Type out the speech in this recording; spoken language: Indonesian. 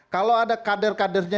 kalau ada kader kadernya